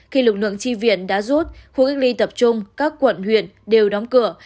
khi lực lượng tri viện đã rút khu cách ly tập trung các quận huyện đều đóng cửa